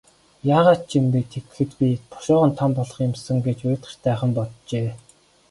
Яагаад ч юм бэ, тэгэхэд би бушуухан том болох юм сан гэж уйтгартайхан боджээ.